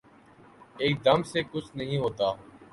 ایک دم سے کچھ نہیں ہوتا۔